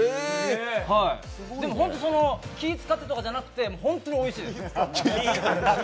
でも気を遣ってとかじゃなくて本当においしいです。